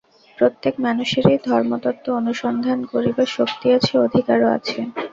প্রত্যেক মানুষেরই ধর্মতত্ত্ব অনুসন্ধান করিবার শক্তি আছে, অধিকারও আছে।